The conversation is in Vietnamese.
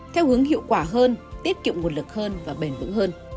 theo hướng hiệu quả hơn tiết kiệm nguồn lực hơn và bền vững hơn